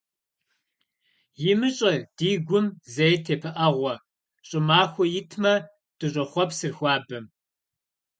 ИмыщӀэ ди гум зэи тепыӀэгъуэ, ЩӀымахуэ итмэ, дыщӀохъуэпсыр хуабэм.